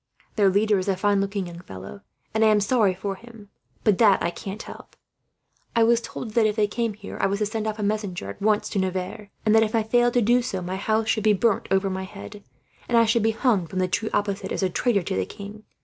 Their leader is a fine looking young fellow, and I am sorry for him, but that I can't help. I was told that, if they came here, I was to send off a messenger at once to Nevers; and that, if I failed to do so, my house should be burnt over my head, and I should be hung from the tree opposite, as a traitor to the king.